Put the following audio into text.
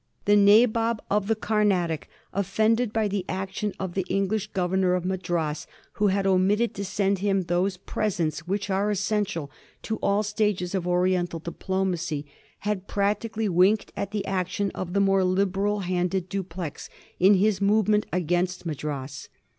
The Nabob of 1748. THE DREAM OF DUPLEIX. 261 the Carnatic, offended by the action of the English gov ernor of Madras, who had omitted to send him those pres ents which are essential to all stages of Oriental diplo macy, had practically winked at the action of the more liberal handed Dapleix in his movement against Madras.